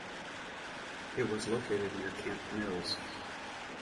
It was located near Camp Mills.